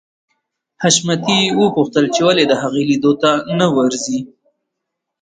حشمتي وپوښتل چې ولې د هغه لیدو ته نه ورې